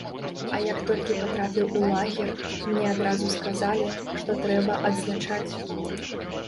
А як толькі патрапіў у лагер, мне адразу сказалі, што трэба адзначаць.